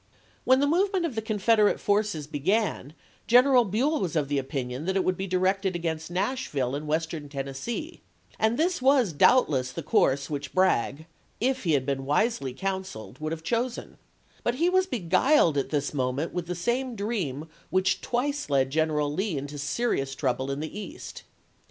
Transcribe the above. When the movement of the Confederate forces began General Buell was of the opinion that it would be directed against Nashville and Western Tennessee, and this was doubtless the course, which Bragg, if he had been wisely counseled, would have chosen ; but he was beguiled at this moment with the same dream which twice led General Lee into serious trouble in the East.